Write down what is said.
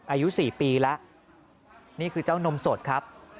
อายุ๔ปีแล้วนี่คือเจ้านมสดครับ